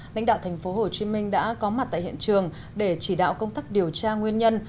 lãnh đạo tp hcm đã có mặt tại hiện trường để chỉ đạo công tác điều tra nguyên nhân